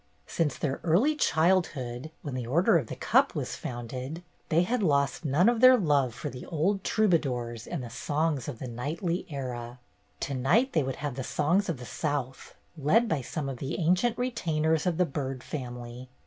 Since their early girlhood, when The Order of The Cup was founded, they had lost none of their 296 BETTY BAIRD'S GOLDEN YEAR love for the old troubadours and the songs of the knightly era. To night they would have the songs of the South, led by some of the ancient retainers of the Byrd family.